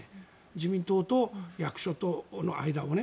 自民党と役所との間をね。